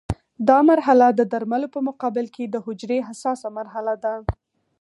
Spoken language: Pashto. دا مرحله د درملو په مقابل کې د حجرې حساسه مرحله ده.